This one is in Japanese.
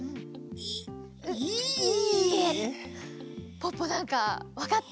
ポッポなんかわかった？